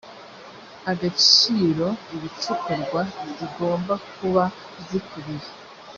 agaciro ibicukurwa zigomba kuba zikubiye